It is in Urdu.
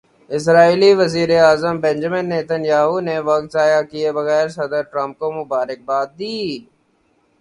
اسرائیلی وزیر اعظم بنجمن نیتن یاہو نے وقت ضائع کیے بغیر صدر ٹرمپ کو مبارک باد دی۔